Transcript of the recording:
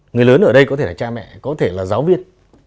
người lớn ở đây có thể là cha mẹ có thể là giáo viên